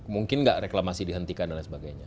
mungkin nggak reklamasi dihentikan dan lain sebagainya